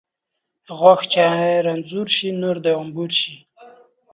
غاښ چې رنځور شي ، نور د انبور شي